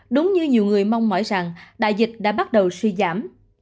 đúng như nhiều người mong mỏi rằng đại dịch đã bắt đầu suy giảm